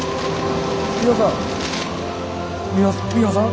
ミワさん？